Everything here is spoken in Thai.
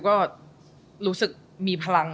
ก็รู้สึกมีพลัง